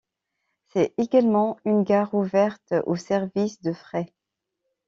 C'est également une gare ouverte au service de fret.